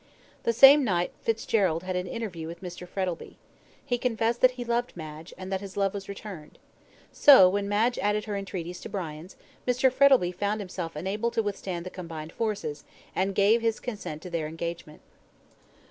The same night Fitzgerald had an interview with Mr. Frettlby. He confessed that he loved Madge, and that his love was returned. So, when Madge added her entreaties to Brian's, Mr. Frettlby found himself unable to withstand the combined forces, and gave his consent to their engagement.